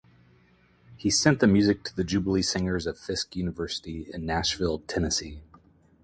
He sent the music to the Jubilee Singers of Fisk University in Nashville, Tennessee.